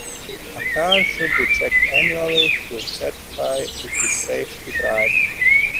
A car should be checked annually to certify it is safe to drive.